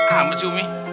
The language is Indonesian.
ambil sih umi